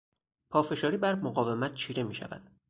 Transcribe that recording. پافشاری بر مقاومت چیره میشود.